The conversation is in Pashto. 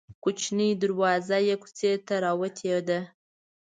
کوچنۍ دروازه یې کوڅې ته راوتې ده.